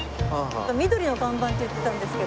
緑の看板って言ってたんですけど。